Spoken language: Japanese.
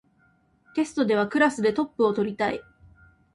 テストではクラスでトップを取りたい